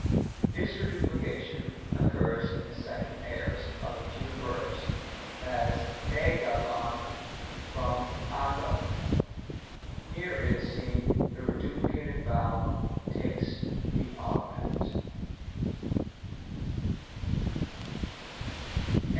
This reduplication occurs in the Second Aor. of a few verbs ; as, riyayov from uycD. Here, it is seen, the re duplicated vowel takes the augment.